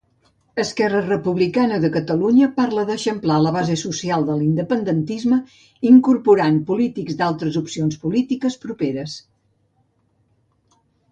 Esquerra Republicana de Catalunya parla d'eixamplar la base social de l'independentisme, incorporant polítics d'altres opcions polítiques properes.